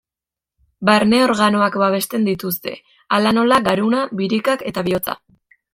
Barne organoak babesten dituzte, hala nola garuna, birikak eta bihotza.